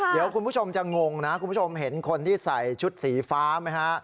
เดี๋ยวคุณผู้ชมจะงงนะคุณผู้ชมเห็นคนที่ใส่ชุดสีฟ้าไหมฮะ